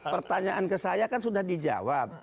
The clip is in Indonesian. pertanyaan ke saya kan sudah dijawab